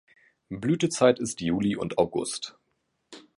Blütezeit ist Juli und August.